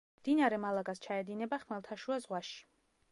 მდინარე მალაგას ჩაედინება ხმელთაშუა ზღვაში.